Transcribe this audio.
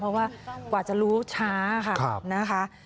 เพราะว่ากว่าจะรู้ช้าค่ะนะคะ